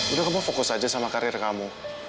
udah kamu fokus aja sama karir kamu